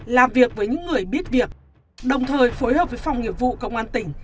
làm việc với những người biết việc đồng thời phối hợp với phòng nghiệp vụ công an tỉnh